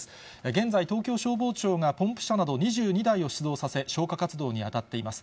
現在、東京消防庁がポンプ車など２２台を出動させ、消火活動に当たっています。